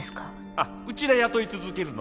あっうちで雇い続けるのも無理。